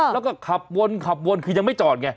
แล้วก็ขับวนขับวนคือยังไม่จอดไง